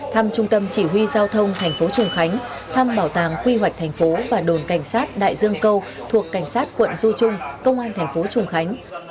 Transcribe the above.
thăm trung tâm chỉ huy giao thông tp trùng khánh thăm bảo tàng quy hoạch thành phố và đồn cảnh sát đại dương câu thuộc cảnh sát quận du trung công an tp trùng khánh